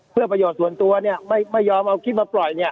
เพื่อประโยชน์ส่วนตัวเนี่ยไม่ยอมเอาคลิปมาปล่อย